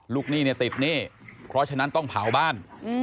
ลูกนี่ติดนี่เพราะฉะนั้นต้องเผาบ้าน